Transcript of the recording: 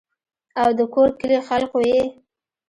او دَکور کلي خلقو ئې